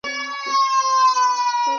আমার কাছে একটু আগেও ছিল ওটা!